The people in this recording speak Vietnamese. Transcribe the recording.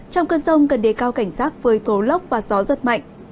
trong cơn rông cần đề cao cảnh giác với tố lốc và gió giật mạnh